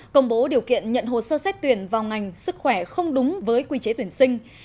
công bố điều kiện nhận hồ sơ xét tuyển vào ngành sức khỏe không đúng với quy chế tuyển sinh